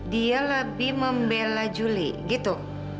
dia lebih membela juli gitu